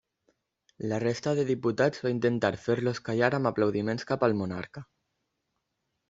La resta de diputats va intentar fer-los callar amb aplaudiments cap al monarca.